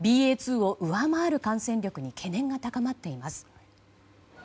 ＢＡ．２を上回る感染力に懸念が高まっています。